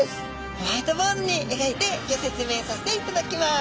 ホワイトボードにえがいてギョ説明させていただきます。